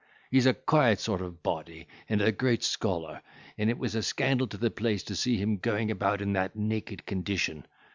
he's a quiet sort of a body, and a great scholar, and it was a scandal to the place to see him going about in that naked condition.